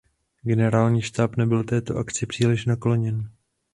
Generální štáb nebyl této akci příliš nakloněn.